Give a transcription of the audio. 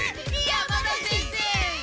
山田先生！